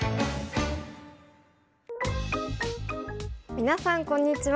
皆さんこんにちは。